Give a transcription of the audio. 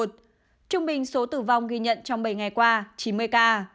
trung bình số tử vong ghi nhận trong bảy ngày qua chín mươi ca